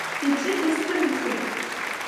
Иҿы изҭымхит.